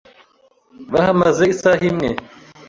Bahamaze isaha imwe.